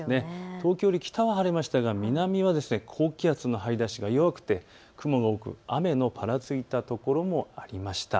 東京の北は晴れましたが、南は高気圧の張り出しが弱くて雨がぱらついた所もありました。